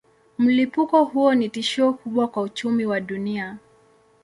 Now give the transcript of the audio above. Mlipuko huo ni tishio kubwa kwa uchumi wa dunia.